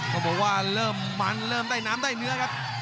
บอกว่าเริ่มมันเริ่มได้น้ำได้เนื้อครับ